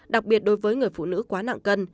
đặc biệt đối với người phụ nữ quá nặng cân